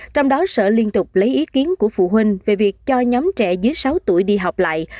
trong đó sở liên tục lấy ý kiến của phụ huynh về việc cho nhóm trẻ dưới sáu tuổi đi học lại